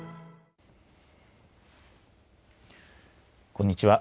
こんにちは。